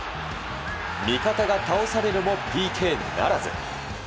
味方が倒されるもＰＫにならず。